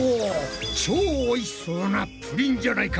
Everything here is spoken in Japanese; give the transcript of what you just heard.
超おいしそうなプリンじゃないか！